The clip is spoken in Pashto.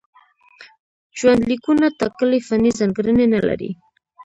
ژوندلیکونه ټاکلې فني ځانګړنې نه لري.